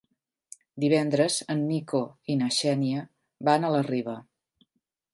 Divendres en Nico i na Xènia van a la Riba.